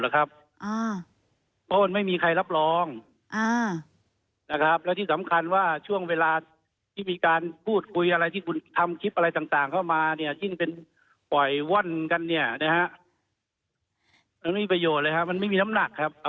ครับเอาไว้ง่ายนะฮะ